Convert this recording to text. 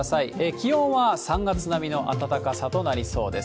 気温は３月並みの暖かさとなりそうです。